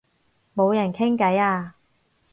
冇人傾偈啊